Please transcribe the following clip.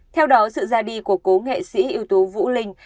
theo đó sự ra đi của cố nghệ sĩ ưu tú vũ linh